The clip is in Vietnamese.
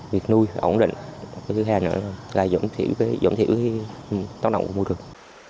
việc nuôi ổn định thứ hai là giống thiểu tóc nặng của môi trường